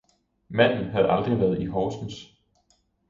Manden havde aldrig været i Horsens